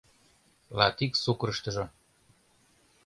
Латик сукырыштыжо